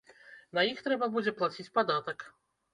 І на іх трэба будзе плаціць падатак.